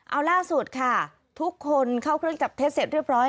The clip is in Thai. เอาล่าสุดค่ะทุกคนเข้าเครื่องจับเท็จเสร็จเรียบร้อย